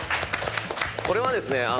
これはですね